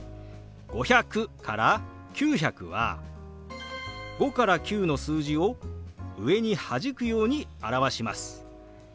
５００から９００は５から９の数字を上にはじくように表します。